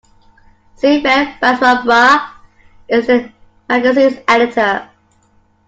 Simret Bassra-Brar is the magazine's Editor.